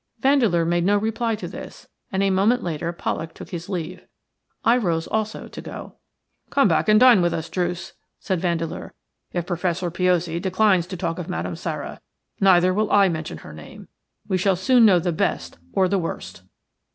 Vandeleur made no reply to this, and a moment later Pollak took his leave. I rose also to go. "Come back and dine with us, Druce," said Vandeleur. "If Professor Piozzi declines to talk of Madame Sara, neither will I mention her name. We shall soon know the best or the worst."